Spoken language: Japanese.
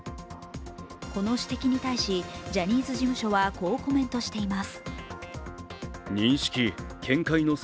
この指摘に対し、ジャニーズ事務所はこうコメントしています。